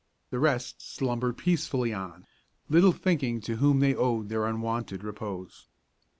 The rest slumbered peacefully on, little thinking to whom they owed their unwonted repose.